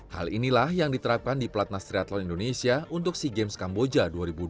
hal inilah yang diterapkan di platnas triathlon indonesia untuk sea games kamboja dua ribu dua puluh